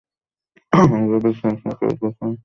এগুলো বিচার বিশ্লেষণ করে দেখি, আমাদের ভোট বেশি কিন্তু সিট কম।